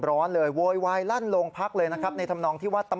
โรงพักโรงพักโรงพักโรงพัก